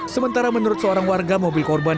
sementara menurut seorang warga mobil korban